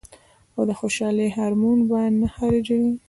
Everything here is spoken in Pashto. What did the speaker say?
او د خوشالۍ هارمون به نۀ خارجوي -